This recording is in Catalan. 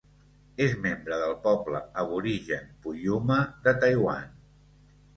És membre del poble aborigen Puyuma de Taiwan.